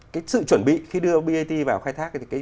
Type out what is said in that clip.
cái sự chuẩn bị khi đưa bat vào khai thác